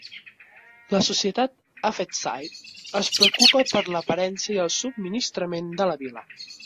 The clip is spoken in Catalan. La societat Affetside es preocupa per l'aparença i el subministrament de la vila.